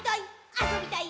あそびたい！」